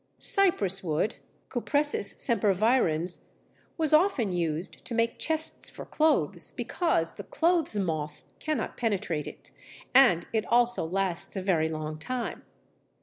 Cypress wood (Cupressus sempervirens) was often used to make chests for clothes because the clothes moth cannot penetrate it, and it also lasts a very long time.